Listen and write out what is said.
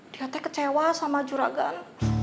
dia teh kecewa sama juragan